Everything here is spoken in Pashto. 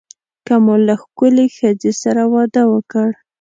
که مو له ښکلې ښځې سره واده وکړ.